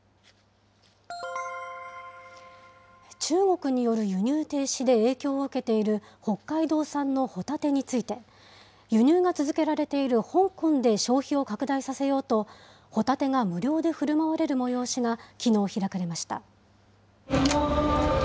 中国による輸入停止で影響を受けている北海道産のホタテについて、輸入が続けられている香港で消費を拡大させようと、ホタテが無料でふるまわれる催しがきのう開かれました。